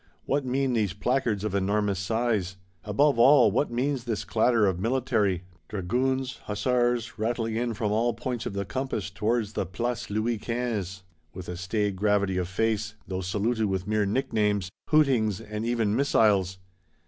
What mean these "placards of enormous size"? Above all, what means this clatter of military; dragoons, hussars, rattling in from all points of the compass towards the Place Louis Quinze; with a staid gravity of face, though saluted with mere nicknames, hootings and even missiles?